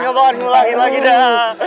ngobrokan berlari lagi dah